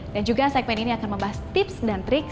dan juga segmen ini akan membahas tips dan trik